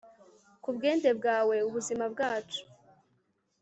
ku bwende bwawe, ubuzima bwacu